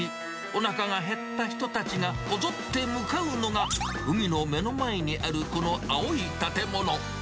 おなかが減った人たちがこぞって向かうのが、海の目の前にある、この青い建物。